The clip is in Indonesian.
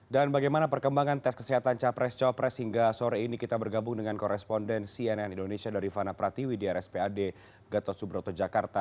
dan bagaimana perkembangan tes kesehatan capres capres hingga sore ini kita bergabung dengan koresponden cnn indonesia dari vana pratiwi di rspad ketot subroto jakarta